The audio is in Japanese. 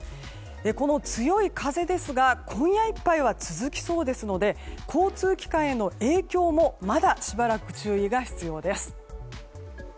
この強い風ですが今夜いっぱいは続きそうですので交通機関への影響もまだしばらく注意が必要です。